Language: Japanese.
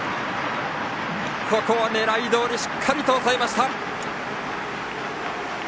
ここは狙いどおりしっかり抑えました！